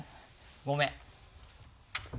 ごめん。